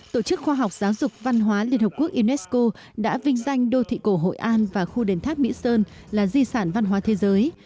tổ chức khoa học giáo dục văn hóa liên hợp quốc unesco đã vinh danh đô thị cổ hội an và khu đền tháp mỹ sơn là di sản văn hóa thế giới